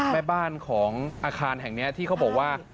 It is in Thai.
แม่บ้านของอาคารแห่งนี้ที่เขาบอกว่า